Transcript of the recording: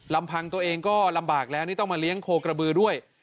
ลำพังตัวเองก็ลำบากแล้วนี่ต้องมาเลี้ยงโคกระบือด้วย